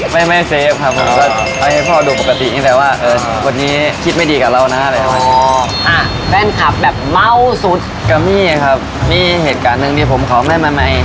ไม่เซฟครับผมก็ให้พ่อดูปกติอย่างนี้แหละว่า